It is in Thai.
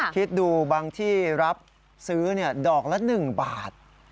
คิดดูบางที่รับซื้อดอกละ๑บาท